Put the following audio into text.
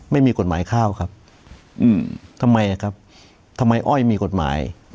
ไม่มีกฎหมายข้าวครับทำไมครับทำไมอ้อยมีกฎหมาย